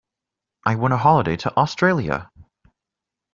I won a holiday to Australia.